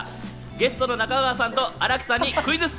ゲストの中川さんと新木さんにクイズッス！